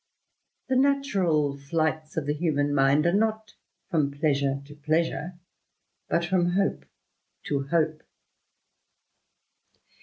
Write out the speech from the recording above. The natural f/j flights of the human mind are not from pleasure to ( 1 pleasure, but from hope to hop^^